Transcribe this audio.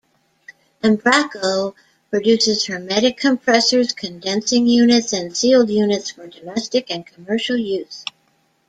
Embraco produces hermetic compressors, condensing units and sealed units, for domestic and commercial use.